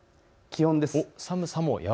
気温です。